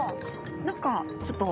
何かちょっと。